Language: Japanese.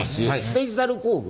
デジタル工具